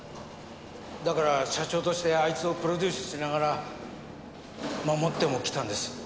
だから社長としてあいつをプロデュースしながら守ってもきたんです。